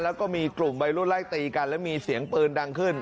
แล้วก็มีกลุ่มวัยรุ่นไล่ตีกันแล้วมีเสียงปืนดังขึ้น